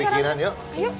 isi kepikiran yuk